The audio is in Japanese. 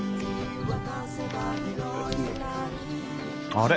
あれ？